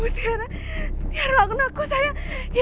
tiara jangan lakukan aku sayang